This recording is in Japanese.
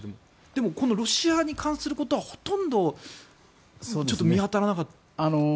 でも、このロシアに関することはほとんど見当たらなかった。